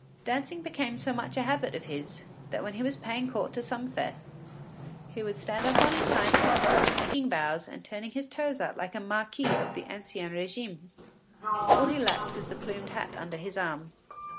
Dancing became so much a habit of his that when he was paying court to some fair, he would stand up on his hind legs, making bows and turning his toes out like a marquis of the ancien régime. All he lacked was the plumed hat under his arm.